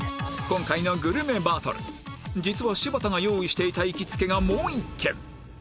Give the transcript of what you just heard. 今回のグルメバトル実は柴田が用意していた行きつけがもう一軒